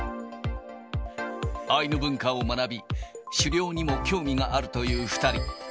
アイヌ文化を学び、狩猟にも興味があるという２人。